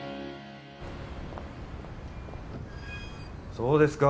そうですか